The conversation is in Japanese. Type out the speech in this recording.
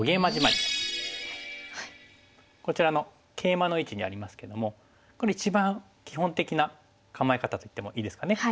こちらのケイマの位置にありますけどもこれ一番基本的な構え方といってもいいですかね。